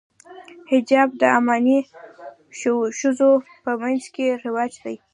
حجاب د عماني ښځو په منځ کې رواج دی.